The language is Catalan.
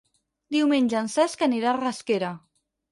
Diumenge en Cesc anirà a Rasquera.